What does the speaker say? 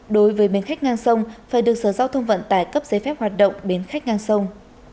đối với biến khách ngang sông phải được sở giao thông vận tài cấp giấy phép hoạt động biến khách ngang sông